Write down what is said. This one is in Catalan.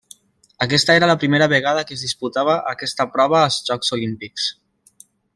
Aquesta era la primera vegada que es disputava aquesta prova als Jocs Olímpics.